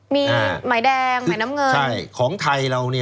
มีหมาชแดงหมายน้ำเงิน